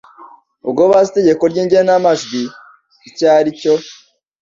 ubwo bazi itegeko ry igenamajwi icyaricyo